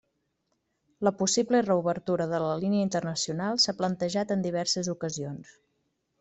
La possible reobertura de la línia internacional s'ha plantejat en diverses ocasions.